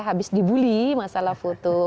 habis dibully masalah foto